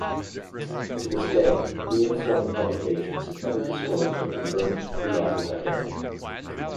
To this day, Ian Fleming Publications has never disclosed or confirmed the author's identity.